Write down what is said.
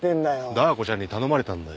ダー子ちゃんに頼まれたんだよ。